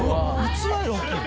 器より大きい。